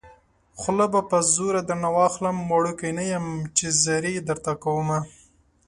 خوله به په زوره درنه واخلم وړوکی نه يم چې ځاري درته کومه